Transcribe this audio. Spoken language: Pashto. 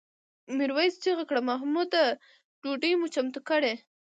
میرويس چیغه کړه محموده ډوډۍ مو چمتو کړه؟